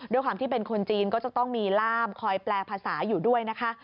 ด้วยความที่เป็นคนจีนก็จะต้องมีล่ามคอยแปลภาษาอยู่ด้วยนะคะ